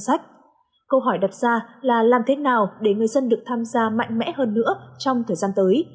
sách câu hỏi đặt ra là làm thế nào để người dân được tham gia mạnh mẽ hơn nữa trong thời gian tới